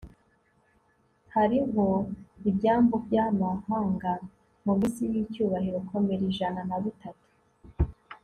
Hariho ibyambu byamahanga muminsi yicyubahiro Komera Ijana na Bitatu